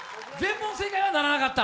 全問正解はならなかった？